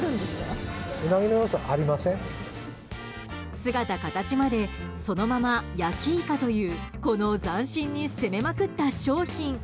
姿形までそのまま焼いかというこの斬新に攻めまくった商品。